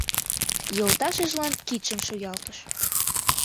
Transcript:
Йолташыжлан кидшым шуялтыш.